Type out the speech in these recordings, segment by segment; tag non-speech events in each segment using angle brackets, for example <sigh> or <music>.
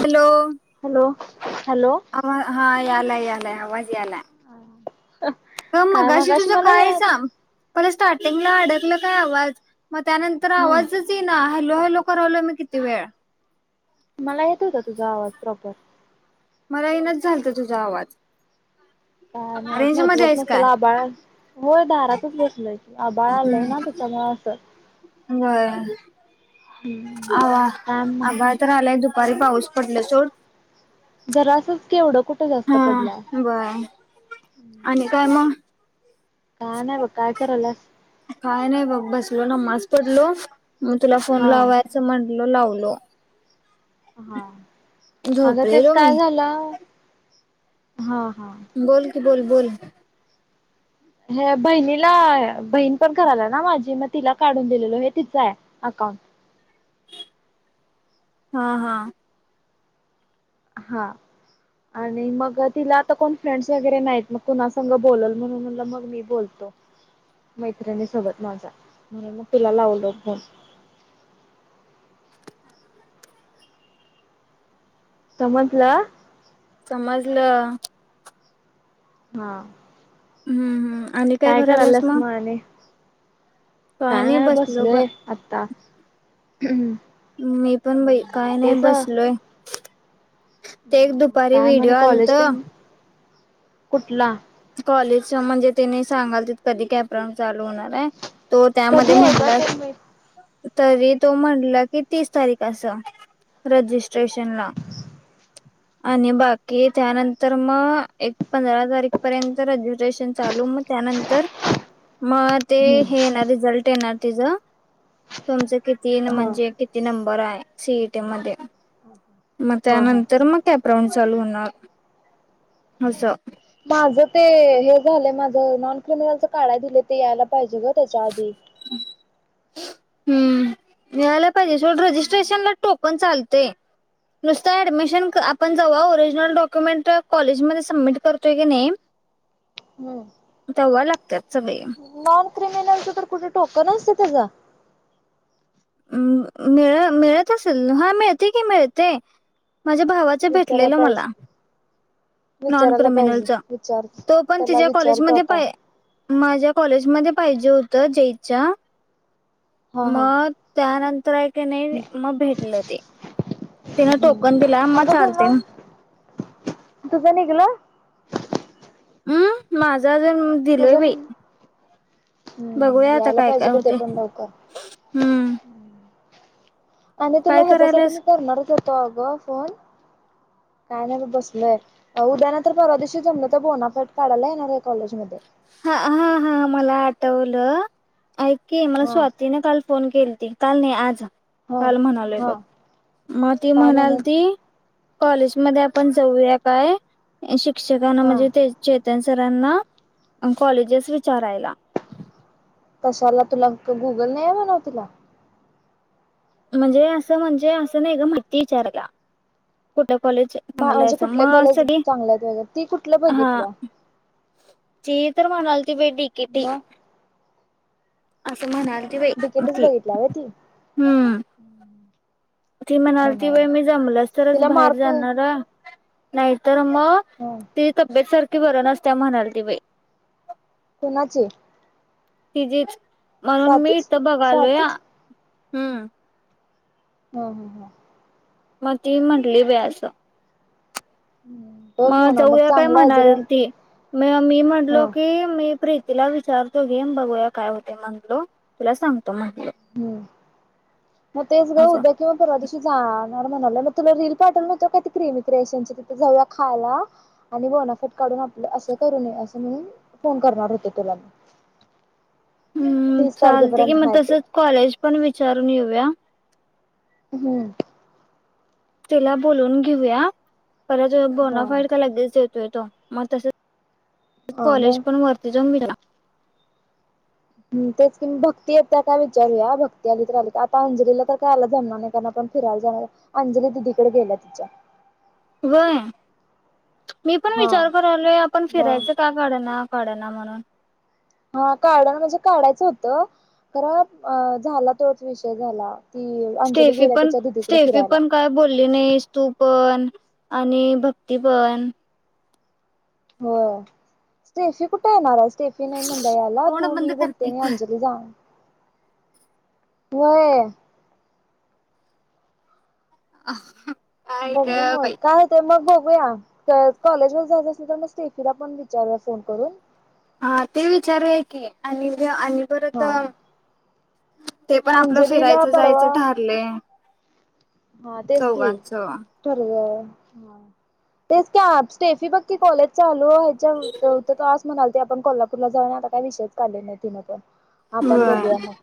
Hello. Hello, hello. आवा हा यालाय, यालाय, आवाज यालाय. आ हा. हा मगाशी तुझं कायचा पर स्टार्टिंगला अडकलं काय आवाज? मग त्यानंतर हम्म आवाजच यीना. हॅलो, हॅलो, करालोय मी किती वेळा? मला येत होता तुझा आवाज प्रॉपर. मला यिनाच झालता तुझा आवाज. का नाही रेंज मध्ये नेटवर्क आहेस नसल, काय आभाळ आसल व्हय. दारातच बसलोय की, आबाळ आलय ना हम्म तेच्यामुळ असल. बर आवा आभाळ तर आलय, दुपारी पाऊस पडला सोड. जरासंच केवढं, कुठ जास्त हा पडलाय? बर आणि काय म? काय नाही बघ, काय कराल्यास? काय नाही बघ बसलो, नामाज पडलो म तुला फोन हा लावायचं म्हण ण लावलो. हा आग तेच झोपलेलो काय मी झालं? हा. हा बोल कि, बोल, बोल. हे बहिणीला बहीण पण कराल्या ना माझी, मग तिला काढून दिलेल हे तिच हाय अकाउंट. ह <inaudible> हा हा. हा. आणि मग तिला आता कोण फ्रेंड्स वगैरे नाहीत, मग कुणा संग बोलल, म्हणून म्हणलं म मी बोल मैत्रिणी सोबत माझा म्हनून मग तूला लावलो फोन. समजलं. समजल. हा. हम्म. हम्म. आणि काय करायल्यास मग.? काय नाही बसलोय आता ह. मी पण बाई. काय नाही बसलोय. ते एक दुपारी काय व्हिडिओ म्हणे आलत. कॉलेज ते कुठला.? कॉलेज म्हणजे तेनी सांगालतीत. कधी कॅप्रम चालू होणार आहे. तो त्यामध्ये कधी आहे ग म्हटला ते मी तरी तो म्हटला की तीस तारीख अस रजिस्ट, स्टेशनला. आणि बाकी त्यानंतर मग एक पंधरा तारीख. पर्यंत रजिस्ट्रेशन चालू मग त्यानंतर. मग ते हे येणार. रिझल्ट येणार तिज तुमच. किती हा म्हणजे किती नंबर आहे सीईटी मध्ये. मग हा हा. त्यानंतर मग कॅपराऊंड चालू होणार असं. माझं ते हे झालं माझ नॉन क्रिमिनलच. काढाय दिले ते यायला पाहिजे ग. त्याच्याआधी. हम्म मिळायला पाहिजे सोड. रजिस्ट्रेशनला टोकन चालतय. नुसतं ऍडमिशन आपण जवा ओरिजिनल डॉक्युमेंट कॉलेजमध्ये सबमिट करतोय कि नाही. ह तवा लागतय. नॉन क्रिमिनलच्याकड कुठे ठोक नसत त्याचार म् मिळ मिळत असेल. हा मिळते की मिळते. माझ्या भावाच विचारायला भेटलेलं मला. पाहिजे नॉन विचारायला पाहिजे क्रिमिनलचा व विचार तो पण त्याला तिच्या्या विचारतो कॉलेजमध्येध्ये आता पाय. माझ्या कॉलेजमध्ये. पाहिजे होत. जयच्या हा हा मग त्यानंतर. ते नाही मग भेटलं ते तिन टोकन दिला म अगं चालतय. तुला तुझं निघलं हम् माझा अजून दिलोय तुझं बाई. हम्म बघूया आता यायला पाहिजे काय-काय प ते होते पण लवकर हम्म. आणि तुला काय ह्याच्यासाठी मी करायलास करणारच होतो. अगं फोन. काय नाही बघ बसलोय. उद्या नाहीं तर परवा दिेवशी जमलं तर बोनाफाईड काढायला येणार आहे. कॉलेजमध्ये. हा. हा. हा मला आठवलं. ऐक मला हा स्वातीने काल. फोन केलती काल नाहीतर आज. हा काल म्हणालोय हा बघ. मग ती काय म्हणाल म्हणून ती. कॉलेजमध्ये आपण जाऊया काय शिक्षकांना हा म्हणजे त्याच्या. सरांना कॉलेजस विचारायला. कशाला तुला गुगल नाही आहे म्हणाव तुला? म्हणजे. असं म्हणजे. असं नाहीं एक माहिती विचारायला. कुठ. कॉलेज चांगलं म्हणजे हाय कुठल्या मग कॉलेज सगळी चांगल्या आहेत वगैरे ती कुठलं हा. बघितल्या चीई तर म्हणालती डी. के. टी. मग म्हणालती बाई डिकेटच ती बघितल्या व ती हम्म. ती म्हणाल ती म्हणाव व्हय मग मी जमलस तरच, तिला बाहेर मार्क जाणार ह हं. नाही तर मग, ति तब्येत सारखी बरं नसतीया, म्हणाल ती बाई. कुणाची? तिजीच म्हणून मी इथं बघालो या स्वातीच हम्म. हं हं हा. मग ती म्हटली बाई असं. बघ मग म्हणा जाऊया काय चांगला आहे जरा म्हणाल ती म मी ह म्हटलो की मी प्री तिला विचारतो घे म बघूया काय होतेज्ञ म्हणलो तुला सां हम् म तेच ग असं उद्या किंवा परवा तशी जाणार म्हणाल्या मी तुला रील का क्रमी क्रिएशनची तिथे जाऊया खायला आणि बोनाफाईट काढून आ आपलं असं करू नये असं म्हणून फोन करणार होते तुला मी. हम्म तीस चालते कि तारखेपर्यंत मग हाय ते तसच कॉलेज पण विचारून येऊया. हम्म. तिला बोलून घेऊया परत हा बोनाफाईड का लगेच देतोय तो मग तस हा कॉलेज मग पण वरती जम ना. म तेच कि भक्ती य त्या काय विचारूया भक्ती आली तर आली का आता अंजलीला तर काय आला जमणार नाही कारण फिरायला जाणार अंजली दिदीकडे गेल्या तिच्या. वय मी पण हा विचार कर आलोय आपण मग फिरायचं का काढना काडना म्हणून. हा काढना म्हणजे काढायचं होतं खरं अ झाला तोच विषय झाला. ती अंजली स्टेफी गेल्या पण तिच्या दिदीकडे स्टेफी फिरायला पण काय बोलली नाहीस तू पण. आणि भक्ती पण. हो स्टेफी कुठे येणार आहेस. स्टेफी नाही म्हटलं याला तोंड तू बंद मी कर की भक्तेने अंजली जान व्हय. अ बघू मग काय ते मग बघ बया कॉलेज व जात अस तर म स्टेफीला पण विचार फोन करून. हा ते विचारूया की आणि आणि परत हा ते पण आपलं अंजलीला फिरायचं जायचं परवा ठरले. हा तेच की ठरल. हा तेच का स्टेफी बक्की कॉलेज चालूच्या व्हायच्या होत तवाच म्हणाल ती आपण कोल्हापूरला जाऊ आता काय विषयच काढले नाही तिन पण. आपण व्हय बघूया मग.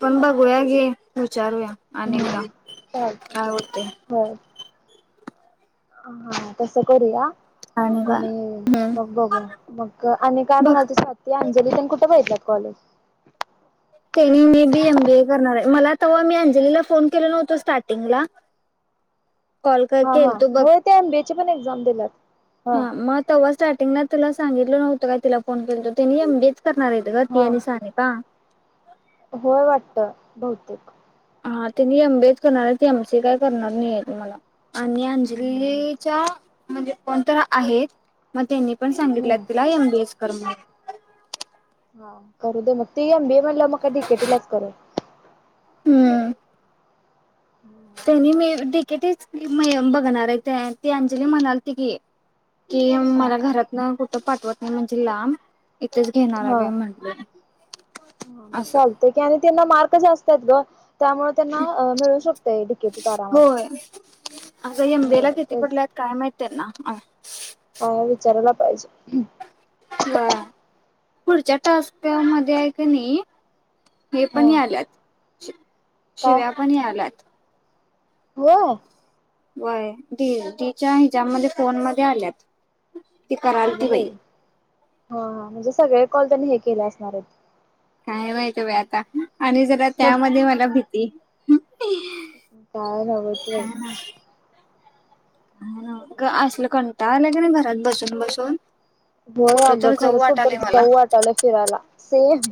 पण बघूया घे विचारूया अनेकदा चालतंय काय होते. होय हा तसं करूया. आणि हम्म मग बघू मग आणि काय बघ म्हणाल ते सााती अंजली त्यां कुठे बहितात. कॉलेज. तेनी मी बी एम बी ए करणार आहे मला तेव्हा मी अंजलीला फोन केलो नव्हतो स्टार्टिंगला. कॉल कर हा हा केल तो बघ हो ते एमबीए पण एक्झाम दिल्यात. हा मग तेव्हा स्टार्टिंगला तुला सांगितलं नव्हतो काय तिला फोन केल त तिनी एम बी ये करणार आहेेत ग ती हा आणि सानिका. होय वाटतं बहतेक. हा त्यांनी एम बीच करणार आहे ते एम सी काय करणार नाहीय त म्हनं. आणि हम्म हम्म अंजलीच्या म्हणजे कोणत आहेत मग त्यांनी पण सांगित हम्म तिला एम बी एच आर म्हणून. हा करू दे मग ती एम. बी. ए. म्हणल्यावर ती काय डी. के. टीलाच करेल. हम्म. त्यांनी मी डी के टी च बघणार आहे ते ती अंजली म्हणाल त की. कि हम्म मला घरात ना कुठं पाठवत नाही म्हणजे लांब इथेच घेणार आहे म्हंटली. ह मग चालतय की आणि त्यांना मार्क जास्त आहेत गं. त्यामुळे त्यांना मिळू शकतय केटी आरामात. अग एम बी ए ला, होय कीती पडल्यात काय माहित तेना? आ विचारायला पाहिजे. वा पुढच्या टास्क मध्ये हाय कणी हे पण हा याल्यात, शिव्या पण याल्यात. हो. वय दिदीच्या हेजामध्ये, फोन मध्ये आल्यात ती करालती बाई. हा हा म्हणजे सगळे कॉल त्यांनी, हे केले असणार आहेत. काय माहिती बाई आता आणि जरा त्यामध्ये मला भीती काय न्हवच बाई? ग असलं कंटाळा आलाय कनी, घरात बसून बसून होय कुठे आगं, तर जाऊ खरंच कुठ तर वाटालय मला जाऊ वाटालंय फिरायला? सेम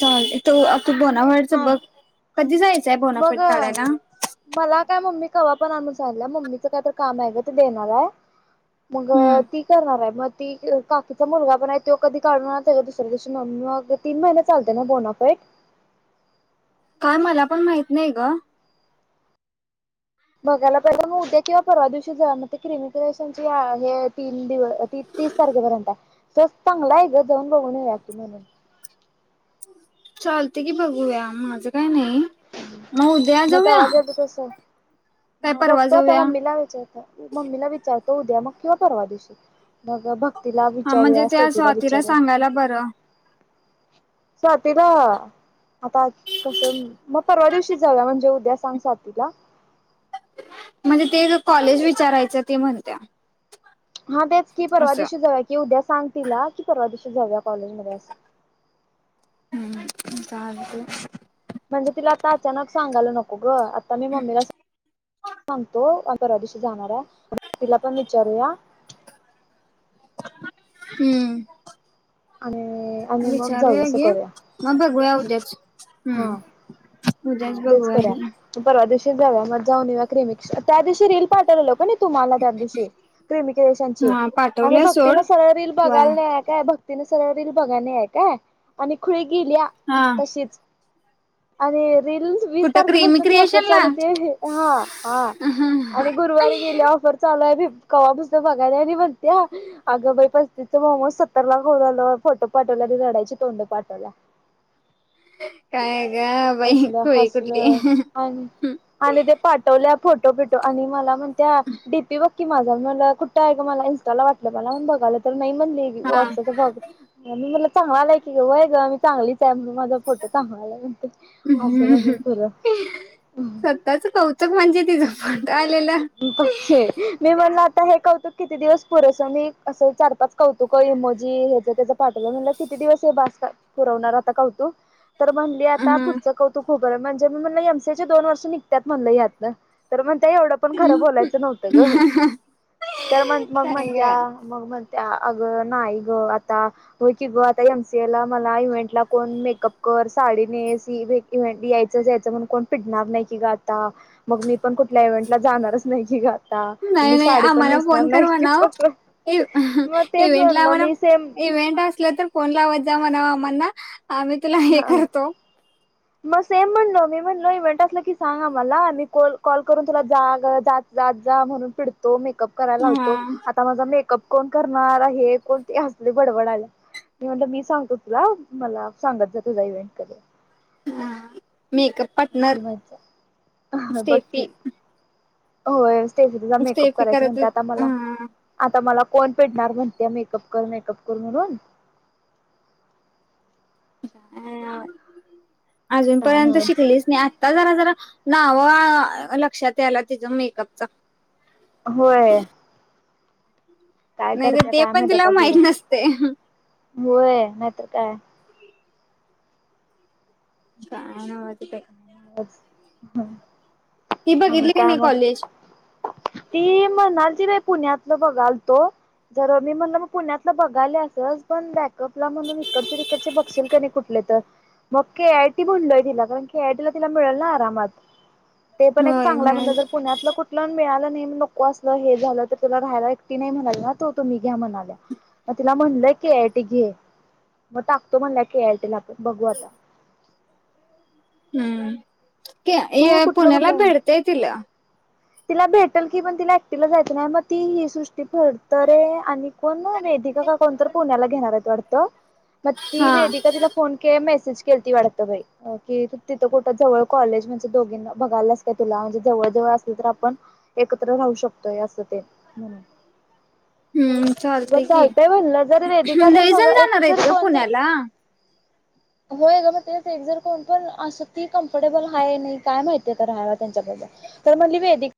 चालतय तु बोनाफाइटच बघ, कधी जायच? मग मला काय मम्मी? कवा पण आण म्हणून सांगल्या, मम्मीच काय तर काम हाय ग? ते देणार हाय. मगअ हम्म ती करणार हाय मग. ती काकुचा मुलगा पण हाय, त्यो कधी काढून आणणार त्याच्या दुसऱ्या दिवशी मम्मी मग, तीन महिने चालतय ना बोनाफाईट. हम्म <inaudible> काय मला पण माहित नाही ग? बघायला पाहिजे, मग उद्या किंवा परवा दिवशी जावु या म, ती क्रिमिक्रेशनची हा हे तीन दिव तीन तीस तारखेपर्यंत हाय तो चांगला हाय ग. जाऊन बघून येजा की म्हणून चालतय की बघूया, माझं काय नाही. मग उद्या म जाऊया कवा जायचं ते सांग. काय म परवा बघतो आता जाऊया मम्मीला विचारतो. मम्मीला विचारतो उद्या मग किंवा परवा दिवशी. मग भक्तीला हा म्हणजे विचारूया, त्या सेतीला स्वातीला विचारूया. सांगायला बरं स्वातीला आताच कसं? मग परवा दिवशीच जाऊया म्हणजे उद्या सांग स्वातीला म्हणजे ते ग कॉलेज विचारायच, ती म्हणत्या. हा तेच की, परवा असं दिवशी जावूया कि, उद्या सांग तिला की परवा दिवशी जावूया कॉलेजमध्ये आस. चालतय. म्हणजे तिला आता अचानक सांगायला नको ग. आता मी मम्मीला सांगतो परवा दिवशी जाणार हाय, तिला पण विचारूया हूअ. आणि अ आणि मग जाऊया विचारून असं घे, करूया मग बघुया उद्या हा. उद्याच हा. तेच बघूया करुया घे म परवा दिवशी तेन जाऊया म जावून येवूया क्रिमिक्स, त्या दिवशी ती रील पाठवलेलो कणी, तुम्हाला त्या दिवशी क्रीमिक्रीएशनची हा आणि पाठवलंय भक्तीन सोड सरळ रील वा बघायला नाही हाय काय भक तिने सरळ रील बघाय नाही हाय काय आणि खुळी गेलीया हा तशीच आणि रील वीस कुठं क्रिमी तारखेपासन ती ऑफर क्रिएशन ला चालू होती, हा. हा. आणि गुरुवारी गेलीया ऑफर चालू हाय भिप कवापासन बघायलीया आनी म्हंतीया, आग बाई! पस्तीसच मोमोज सत्तर ला खावून आलो, फोटो पाठव गुलाबी झाडाची तोंड पाटवल्या. काय? ग बाई असल, खुळी हसल कुठली आणि आणि ते पाठवल्यात फोटो, बीटो आणि मला म्हणत्या डीपी बघ की माझा मला कुठं आहे ग मला इंस्टाला वाटलं मला बघाल नाही म्हणली हा वाट्संअप ला बग, मी म्हणल चांगला आलाय की व्हय ग चांगलीच आहे. म्हणुन माझा फोटो चांगला आलाय. हसून हसून खुरं स्वतःच कौतुक म्हणजे तिझं पण मी म्हणल आता हे कौतुक किती दिवस पुरेसं मी असं चार, पाच कौतुक इमोजी ह्याच, त्याचं पाठवलं म्हटलं किती दिवस हे भास पुरवणार आता कौतुक तर म्हणली.. आता हम्म पुढचं कौतुक म्हणजे मी म्हणल एम सीए ची दोन वर्ष निघत्यात म्हणल यातन तर म्हणत्या यम पण खरं बोलायचं नव्हतं ग. त्या म्हण मग काय म्हणत्या ग मग म्हण त्या अग नाही ग, आता होय की ग, आता एमसी ए ला मला इव्हेंटला कोण मेकअप करु वर साडी नेस ईवी ईव्हेंट यायच, जायच म्हणून कोन पिडणार नाय की ग आता, मग मी पण कुठल्या म्हंटलं जाणारच नाही कि ग आता, नाही मी साडी पण नेसणार नाही की परत इव मग तेच इवेंटला ला म्हणलं मी सेम म्हणाव इवहेंट असला तर फोन लावत जा म्हणाव आम्हाला. आम्ही तुला हे हा करतो. मग सेम म्हणलो मी म्हणलो इव्हेंट असला की सांग आम्हाला. आणि कॉल कॉल करून तुला जा ग जाच जा म्हणून पिडतो, मेकअप करायला हा लावतो, आता माझा मेक कप कोण करणार, हे कोण ते असले बडबडायले मी म्हणलं मी सांगतो तुला मला सांगत जा तुझा इव्हेंट कधीए? हां. मेकअप पाटनर, मज्जा बघकी स्टेफी होय स्टेफ्रीचा मेकअप स्टेफी करायचा करत म्हणते, आता मला आता मला कोण पिडणार म्हणत्या मेकअप कर, मेकअप कर म्हणून काय अ अ अजून काय पर्यंत नव्हच शिकलीच नाही. आता जरा, जरा नाव हो लक्षात याल्यात तिच मेकअपच होय. काय नाही तर करत्या ते काय पण माहित तिला आता पुढं नसते होय नाहीतर काय काय नवच ते हम्. हे बघितले की नाही कॉलेज ती म्हणालती बाई पुण्यातल बघालतो. जर मी म्हणलं मग पुण्यातलं बघायल्यासच पण बॅकअपला म्हणून इकडचे, तिकडचे बघचील का नाई कुठली? ता बग की ए आय टी म्हणलोय तिला, कारण के आय टी ला मिळल ना आरामात. ते पण एक होय चांगल म्हणलतर मिळाली पुण्यातल कुठल मिळाल नाही नको असलं, हे झालं, तर त्याला राहायला एकटी नाही म्हणाल्या ना तो तुम्ही घ्या म्हणाल्या. मग तिला म्हणलय के आय टी घे मग टाकतो म्हणलं के आयटी ला बघू आता हम्म.. क तू ए कुठलं पुण्याला कुठलं भेटतय तीला तिला भेटेल की पण तिला एकटीला जायचं नाही मग ती ही सुश फडतरे आणि कोण वेदिका का कोणतर पुण्याला घेणार आहेत वाटत. म ती हा वेदिका तिला फोन के मेसेज केलाती वाटतं बाई, की त तिथं कुठ जवळ कॉलेज म्हणजे दोघींना बघायल्यास काय तुला म्हणजे जवळ-जवळ नाही तर आपण एकत्र राहू शकतोय, अस ते म्हणून हम्म अग चालते की चालतय म्हणलं, जर वेदिका का जर लई जण सगळं एक जाणार आहेत जरी ग कोण तर पुण्याला <inaudible> होय ग मग तेच जर कोण पण असं ती कम्फर्टेबल आहे, नाही काय माहितीआता राहायला त्यांच्यात. तर म्हणली वेदिका